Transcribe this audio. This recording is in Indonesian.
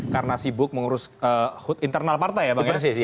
karena sibuk mengurus internal partai